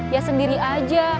ya sendiri aja